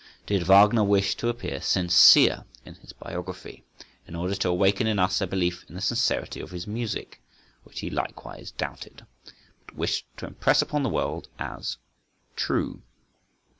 Did Wagner wish to appear "sincere" in his biography, in order to awaken in us a belief in the sincerity of his music, which he likewise doubted, but wished to impress upon the world as "true"?